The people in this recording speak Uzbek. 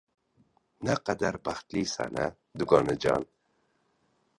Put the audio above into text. Naqadar baxtlisan-a, dugonajon!